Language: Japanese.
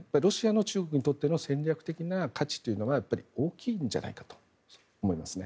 中国にとっての戦略的な価値は大きいんじゃないかと思います。